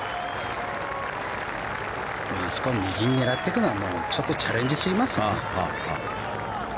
あそこを右に狙っていくのはチャレンジすぎますね。